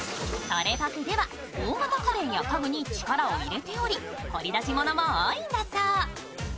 トレファクでは大型家電や家具に力を入れており掘り出し物も多いんだそう。